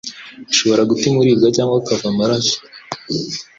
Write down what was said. bishobora gutuma uribwa cyangwa ukava amaraso